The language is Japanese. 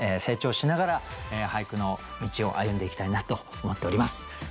成長しながら俳句の道を歩んでいきたいなと思っております。